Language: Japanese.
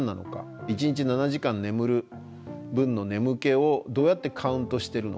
一日７時間眠る分の眠気をどうやってカウントしてるのか。